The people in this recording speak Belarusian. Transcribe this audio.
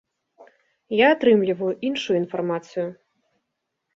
Я атрымліваю іншую інфармацыю.